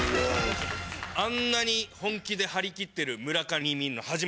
あんなに本気で張り切ってる村上見るの初めてです。